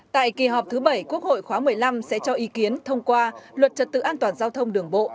tại kỳ họp thứ bảy quốc hội khóa một mươi năm sẽ cho ý kiến thông qua luật trật tự an toàn giao thông đường bộ